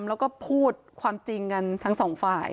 แล้วก็พูดความจริงกันทั้งสองฝ่าย